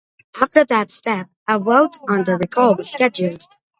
After that step, a vote on the recall was scheduled.